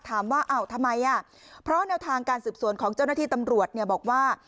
ถามว่าอ้าวทำไมอ่ะเพราะแนวทางการสืบสวนของเจ้าหน้าที่ตำรวจเนี่ยบอกว่า